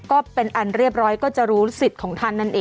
ก็เป็นอันเรียบร้อยก็จะรู้สิทธิ์ของท่านนั่นเอง